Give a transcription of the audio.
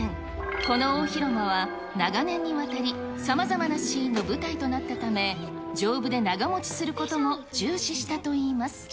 この大広間は、長年にわたり、さまざまなシーンの舞台となったため、丈夫で長持ちすることも重視したといいます。